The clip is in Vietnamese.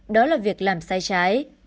đó là việc làm sai trái